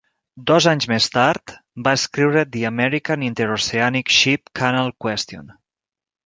Dos anys més tard va escriure "The American Inter-Oceanic Ship Canal Question".